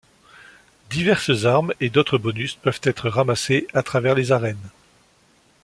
Diverses armes et d'autres bonus peuvent être ramassés à travers les arènes.